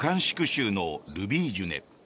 州のルビージュネ。